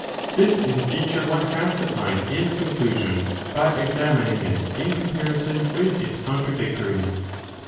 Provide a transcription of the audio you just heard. This is a feature one has to find in the conclusion by examining it in comparison with its contradictory.